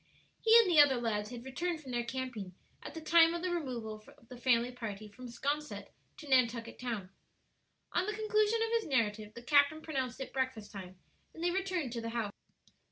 He and the other lads had returned from their camping at the time of the removal of the family party from 'Sconset to Nantucket Town. On the conclusion of his narrative the captain pronounced it breakfast time, and they returned to the house.